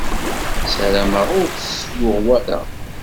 Ssarameɣ ur t-yuɣ wara.